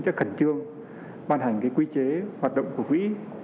cho khẩn trương ban hành cái quy chế hoạt động của quỹ